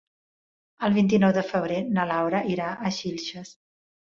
El vint-i-nou de febrer na Laura irà a Xilxes.